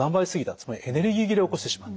つまりエネルギー切れを起こしてしまった。